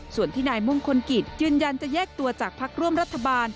ส่วนที่นายมงคลกิจยืนยันจะแยกตัวจากพักร่วมรัฐบาล